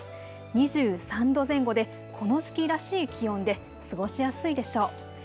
２３度前後でこの時期らしい気温で過ごしやすいでしょう。